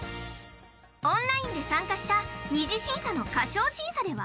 オンラインで参加した２次審査の歌唱審査では。